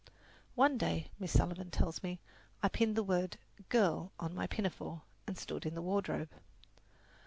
One day, Miss Sullivan tells me, I pinned the word girl on my pinafore and stood in the wardrobe.